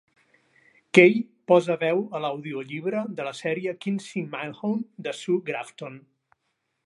Kaye posa veu a l'audiollibre de la sèrie "Kinsey Millhone" de Sue Grafton.